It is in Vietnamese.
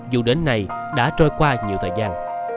dù đến nay đã trôi qua nhiều thời gian